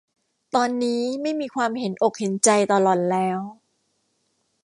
ตอนนี้ไม่มีความเห็นอกเห็นใจต่อหล่อนแล้ว